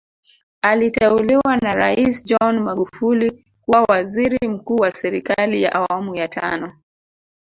Aliteuliwa na Rais John Magufuli kuwa waziri mkuu wa serikali ya awamu ya tano